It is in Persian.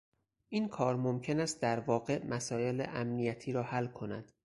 این کار ممکن است در واقع مسایل امنیتی را حل کند